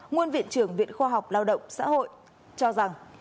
nguyên viện trưởng viện khoa học lao động xã hội cho rằng